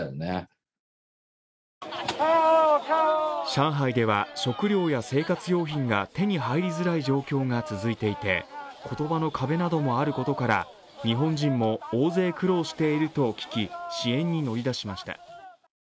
上海では食料や生活用品が手に入りづらい状況が続いていて、言葉の壁などもあることから日本人も大勢苦労していると聞き支援に乗り出しました。